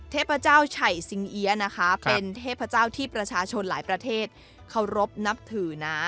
เทพเจ้าไฉสิงเอี๊ยะนะคะเป็นเทพเจ้าที่ประชาชนหลายประเทศเคารพนับถือนะ